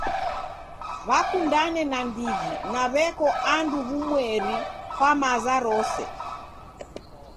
W'akundane nandighi na w'eko andu w'umweri kwa maza rose.